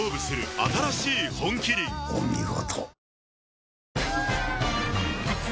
お見事。